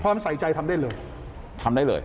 ความใส่ใจทำได้เลย